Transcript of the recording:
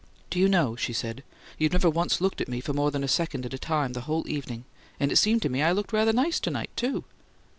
"Do you know," she said, "you've never once looked at me for more than a second at a time the whole evening? And it seemed to me I looked rather nice to night, too!"